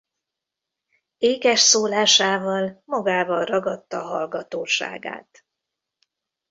Ékesszólásával magával ragadta hallgatóságát.